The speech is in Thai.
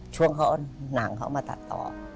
ช่วงหนังเขามาตัดต่อ